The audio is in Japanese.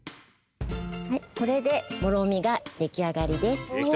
これでもろみができあがりです。